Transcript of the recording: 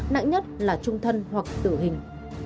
nặng nhất là trung thân hoặc tử hình